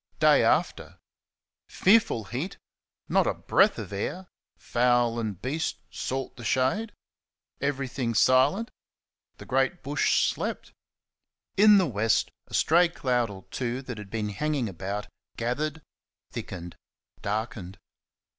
Day after. Fearful heat; not a breath of air; fowl and beast sought the shade; everything silent; the great Bush slept. In the west a stray cloud or two that had been hanging about gathered, thickened, darkened.